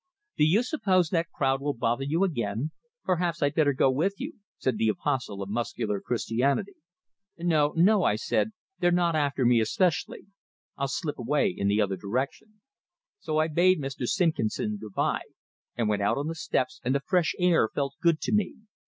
"Do you suppose that crowd will bother you again? Perhaps I'd better go with you," said the apostle of muscular Christianity. "No, no," I said. "They're not after me especially. I'll slip away in the other direction." So I bade Mr. Simpkinson good bye, and went out on the steps, and the fresh air felt good to me.